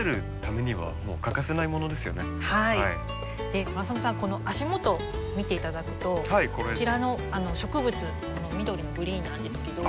で村雨さんこの足元見て頂くとこちらの植物この緑のグリーンなんですけど。